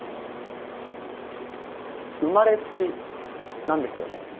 生まれつきなんですよね。